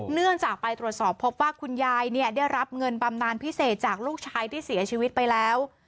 เนื่องจากไปตรวจสอบพบว่าคุณยายเนี่ยได้รับเงินบำนานพิเศษจากลูกชายที่เสียชีวิตไปแล้ว